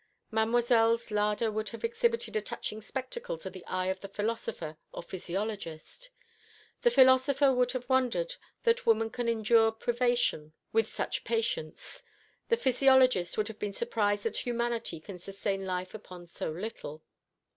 Mademoiselle's larder would have exhibited a touching spectacle to the eye of the philosopher or physiologist. The philosopher would have wondered that woman can endure privation with such patience: the physiologist would have been surprised that humanity can sustain life upon so little.